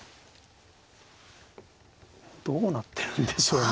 どうなってるんでしょうね。